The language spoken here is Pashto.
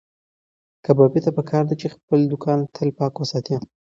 کبابي ته پکار ده چې خپل دوکان تل پاک وساتي.